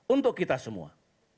untuk kita semua